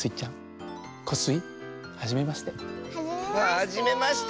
はじめまして。